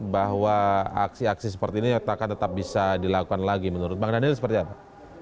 bahwa aksi aksi seperti ini akan tetap bisa dilakukan lagi menurut bang daniel seperti apa